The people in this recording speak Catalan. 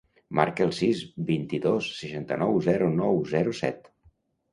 Marca el sis, vint-i-dos, seixanta-nou, zero, nou, zero, set.